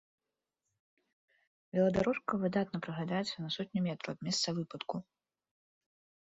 Веладарожка выдатна праглядаецца на сотню метраў ад месца выпадку.